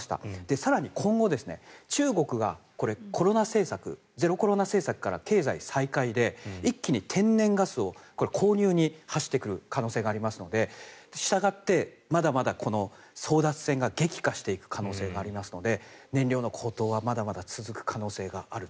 更に今後、中国がゼロコロナ政策から経済再開で一気に天然ガスを購入に走ってくる可能性があるのでしたがって、まだまだ争奪戦が激化していく可能性がありますのでまだまだ続く可能性があると。